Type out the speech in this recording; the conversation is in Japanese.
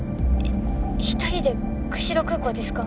一人で釧路空港ですか？